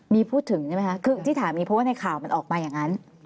มีพูดถึงใช่ไหมคะคือที่ถามมีเพราะว่าในข่าวมันออกมาอย่างนั้น